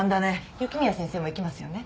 雪宮先生も行きますよね？